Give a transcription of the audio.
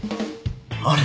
あれ？